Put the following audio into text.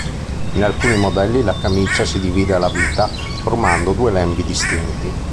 In alcuni modelli la camicia si divide alla vita, formando due lembi distinti.